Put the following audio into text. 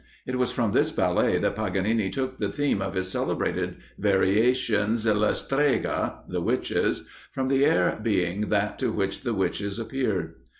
[J] It was from this ballet that Paganini took the theme of his celebrated variations "le Streghe," (the Witches), from the air being that to which the witches appeared.